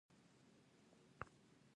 بزګرانو خپل ټول ژوند بې پیسو تیروه.